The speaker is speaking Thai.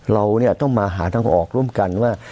เราต้องมาหาทางออกร่วมกันว่า